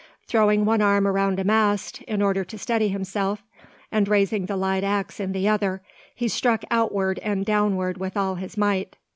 Throwing one arm around a mast, in order to steady himself, and raising the light axe in the other, he struck outward and downward with all his might.